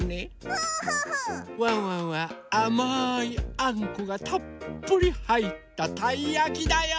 ワンワンはあまいあんこがたっぷりはいったたいやきだよ！